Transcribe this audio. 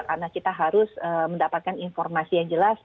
karena kita harus mendapatkan informasi yang jelas